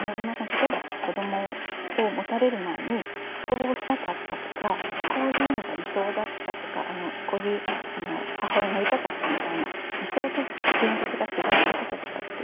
例えば子どもをもたれる前にこうしたかったとかこういうのが理想だったとかこういう母親になりたかったみたいな理想と現実が違ったこととかってあります？